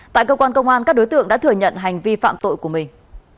tại cơ quan công an các đối tượng đã thừa nhận hành vi phạm tội của mình